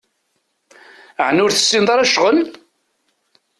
Ɛni ur tesɛiḍ ara ccɣel?